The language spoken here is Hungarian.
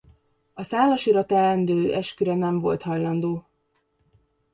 A Szálasira teendő esküre nem volt hajlandó.